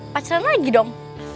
pacaran lagi dong